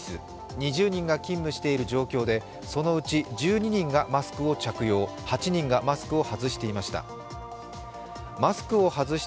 ２０人が勤務している状況でそのうち１２人がマスクを着用８人がマスクを外していました。